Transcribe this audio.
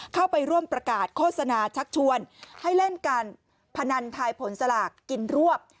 เข้าไปร่วมประกาศโฆษณาชักชวนให้เล่นการพนันทายผลสลากกินรวบ